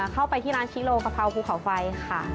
เข้าไปที่ร้านชิโลกะเพราภูเขาไฟค่ะ